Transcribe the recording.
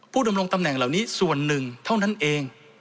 ดำรงตำแหน่งเหล่านี้ส่วนหนึ่งเท่านั้นเอง